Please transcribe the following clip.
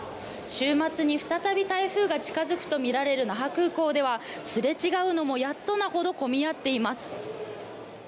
週末に再び台風が近づくとみられる那覇空港ではすれ違うのもやっとなほど混み合っています。